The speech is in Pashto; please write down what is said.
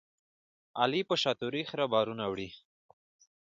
علي په شاتوري خره بارونه وړي.